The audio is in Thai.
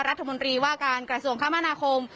รัฐมนตรีว่าการกราศวงศ์ข้ามนาคม